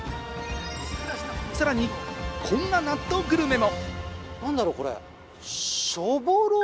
さらに、こんな納豆グルメも。